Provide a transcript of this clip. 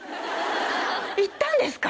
行ったんですか！？